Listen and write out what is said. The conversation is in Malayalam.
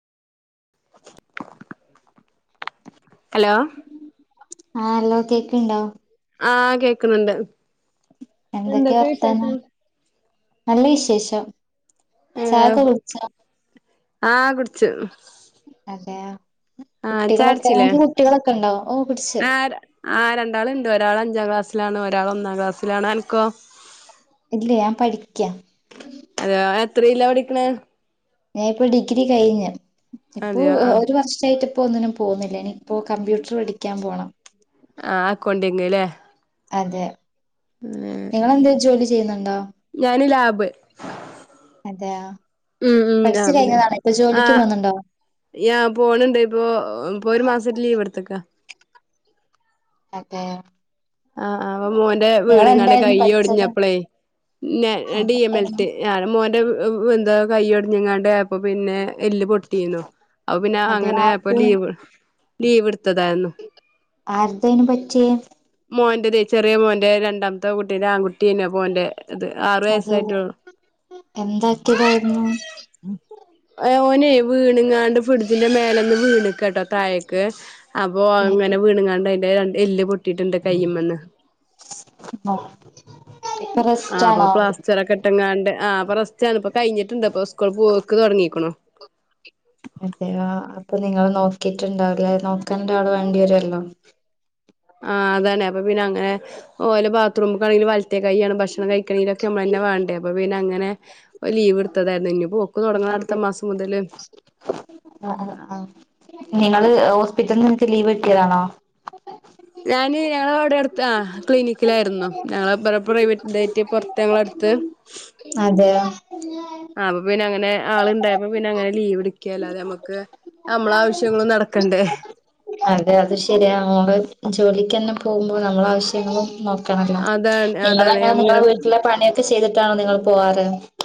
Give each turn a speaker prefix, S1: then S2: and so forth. S1: ഹലോ
S2: ആഹ ഹലോ കേക്കുന്നുണ്ടോ
S1: ആഹ് കേക്കുന്നുണ്ട്
S2: എന്തൊക്കെയാ
S1: എന്തൊക്കെ
S2: വർത്താനം
S1: വിശേഷം
S2: നല്ല വിശേഷം ചായ ഒക്കെ
S1: ഏഹ്
S2: കുടിച്ചോ
S1: ആഹ് കുടിച്ചു
S2: അതെയോ
S1: ആഹ ചായ
S2: കുട്ടികളൊക്കെ
S1: കുടിച്ചില്ലേ
S2: നിങ്ങക്ക് കുട്ടികളൊക്കെ ഉണ്ടോ ഓ കുടിച്ച്
S1: ആ ആ രണ്ടാള് ഇണ്ട് ഒരാള അഞ്ചാം ക്ലാസ്സിലാണ് ഒരാള് ഒന്നാം ക്ലാസ്സിലാണ് അനക്കോ
S2: ഇല്ല ഞാൻ പഠിക്ക
S1: അതെയോ എത്രയേല പഠിക്കണ
S2: ഞാൻ ഇപ്പോ ഡിഗ്രി കഴിഞ്ഞു ഇപ്പൊ
S1: അതെയോ ആഹ്
S2: ഒരു വർഷമായിട്ട് ഇപ്പ ഒന്നിനും പോകുന്നില്ല ഇനിയിപ്പോ കമ്പ്യൂട്ടർ പടിക്കാൻ പോണം
S1: ആഹ അക്കൗണ്ടിങ്ങ് അല്ലെ
S2: അതെ നിങ്ങളെന്ത് ജോലി ചെയ്യുന്നുണ്ടോ
S1: ഞാന് ലാബ്
S2: അതെയൊ
S1: ഉം
S2: പഠിച്ചു കഴിഞ്ഞതാണോ ഇപ്പൊ ജോലിക്ക് പോകുന്നുണ്ടോ
S1: പോണണ്ട് ഇപ്പൊ ഇപ്പൊ ഒരു മാസായിട്ട് ലീവ് എടുത്തക്കാ
S2: അതെ
S1: ആഹ് അപ്പൊ മോന്റെ വീണുങ്ങാണ്ടെ കൈ
S2: പഠിച്ചത്
S1: ഒടിഞ്ഞപ്പളേ ന്ന ഡി
S2: അതെ
S1: എം എൽ ടി മോന്റെ എന്താ കൈ ഒടിഞ്ഞങ്ങാണ്ട് ആയപ്പ പിന്നെ എല്ല് പൊട്ടീന്നു അപ്പൊ പിന്നെ
S2: അതെയോ
S1: അങ്ങനെപ്പൊ
S2: ആർക്ക്
S1: ലീവ് ലീവ് എടുത്തതായിരുന്നു
S2: ആർതന് പറ്റിയെ
S1: മോന്റെ ചെറിയ മോന്റെ രണ്ടാമത്തെ കുട്ടിന്റെ ആൺകുട്ടിയാണ് മോന്റെ
S2: അത് എന്താക്കിയതായിരുന്നു
S1: ഓനെ വീണുങ്ങാണ്ട് ഫെടുത്തിന്റെ മേലന്ന് വീണക്ക്ട്ടോ തായക്ക് അപ്പൊ അങ്ങനെ വീണങ്ങാണ്ട് അതിന്റെ എല്ല് പൊട്ടിട്ടുണ്ട് കയ്യുമെന്ന്
S2: ആഹ
S1: ആ അപ്പൊ പ്ലാസ്റ്റർ ഒക്കെ ഇട്ടങ്ങാ ആഹ് അപ്പ റസ്റ്റാണിപ്പൊ കഴിഞ്ഞിട്ടുണ്ട് അപ്പൊ സ്കൂൾ പോക്ക് തുടങ്ങിക്കണു
S2: അതെയോ അപ്പൊ നിങ്ങള് നോക്കിട്ട്ണ്ടാവില്ല നോക്കണ്ടാള് വേണ്ടി വരുവല്ലോ
S1: ആഹ് അതന്നെ അപ്പ പിന്നെ അങ്ങനെ ഒരു ബാത്റൂമൊക്കൊണെങ്കിൽ മറ്റേ കയ്യാണ് ഭക്ഷണം കഴിക്കണലൊക്കെ നമ്മൾന്നെ വേണ്ട അപ്പ പിന്നെ അങ്ങനെ ലീവ് എടുത്തതായിരുന്നു ഇനിപ്പോ പൊക്ക് തുടങ്ങണം അടുത്ത മാസം മുതല്
S2: നിങ്ങള് ഹോസ്പിറ്റലിൽ നിങ്ങൾക്ക് ലീവ് കിട്ടിയതാണോ
S1: ഞാന് ഞങ്ങള അവിടെ അടുത്ത് ആ ക്ലിനിക്കിലായിരുന്നു ഞങ്ങളറ പ്രൈവറ്റ് ഇതായിട്ട് പുറത്ത് ഞങ്ങള ത്ത്
S2: അതെ
S1: ആ് അപ്പൊ പിന്നെ അങ്ങനെ ആളുണ്ടായപ്പോ പിന്നെ അങ്ങനെ ലീവ് എടുക്കുകേല നമ്മുക്ക് നമ്മള ആവശ്യങ്ങളും നടക്കണ്ടേ
S2: അതെ അത് ശരിയാ നമ്മള് ജോലിക്ക് തന്നെ പോകുമ്പോ നമ്മള ആവശ്യങ്ങളും നോക്കണല്ല
S1: അതാണ് അതാണ്
S2: നിങ്ങളങ്ങനെ നിങ്ങളെ
S1: ഇങ്ങനെ
S2: വീട്ടില പണിയൊക്കെ ചെയ്തിട്ടാണോ നിങ്ങ പോവാറ്